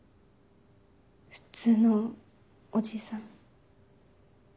普通のおじさん。